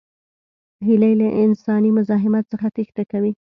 هیلۍ له انساني مزاحمت څخه تېښته کوي